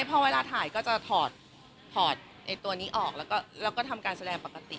พอเวลาถ่ายก็จะถอดถอดไอ้ตัวนี้ออกแล้วก็แล้วก็ทำการแสดงปกติ